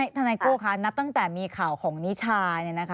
ทนายโก้คะนับตั้งแต่มีข่าวของนิชา